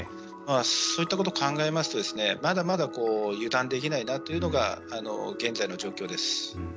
そういったことを考えますとまだまだ油断できないなというのが現在の状況です。